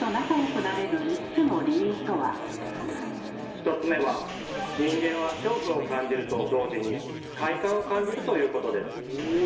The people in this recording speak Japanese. １つ目は人間は恐怖を感じると同時に快感を感じるということです。